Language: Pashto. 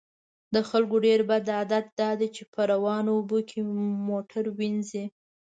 د خلکو ډیر بد عادت دا دی چې په روانو اوبو کې موټر وینځي